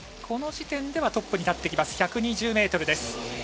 この時点ではトップに立ってきます、１２０ｍです。